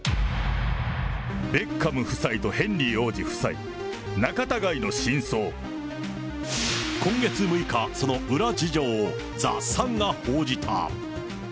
ベッカム夫妻とヘンリー王子夫妻、今月６日、その裏事情を、ザ・サンが報じた。